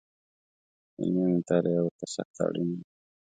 علمي مطالعه ورته سخته اړینه ده